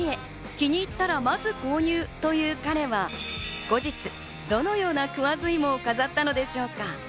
気に入ったらまず購入という彼は後日どのようなクワズイモを飾ったのでしょうか？